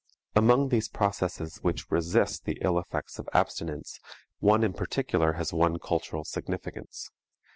Among these processes which resist the ill effects of abstinence, one in particular has won cultural significance.